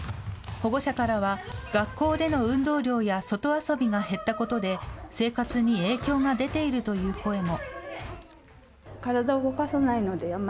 保護者からは、学校での運動量や外遊びが減ったことで生活に影響が出ているという声も。